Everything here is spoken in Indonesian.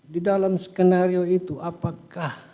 di dalam skenario itu apakah